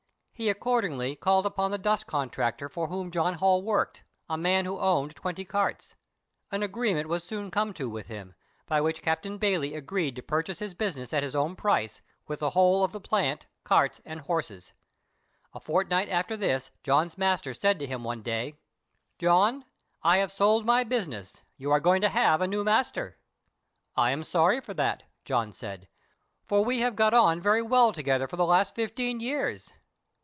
He accordingly called upon the dust contractor for whom John Holl worked, a man who owned twenty carts. An agreement was soon come to with him, by which Captain Bayley agreed to purchase his business at his own price, with the whole of the plant, carts, and horses. A fortnight after this John's master said to him one day— "John, I have sold my business; you are going to have a new master." "I am sorry for that," John said, "for we have got on very well together for the last fifteen years.